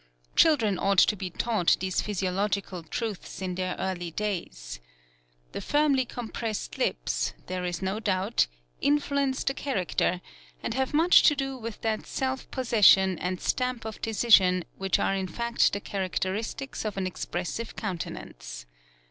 Children ought to be taught these physiological truths in their early davs. The firmly compressed lips, there is no doubt, influence the char acter, and have much to do with that self possession and stamp of decision which are m fact the characteristics of an expressive countenance.